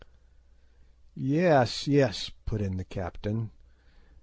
"Yes, yes," put in the captain.